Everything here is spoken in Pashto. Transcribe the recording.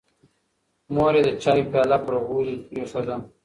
مور یې د چایو پیاله پر غولي کېښوده.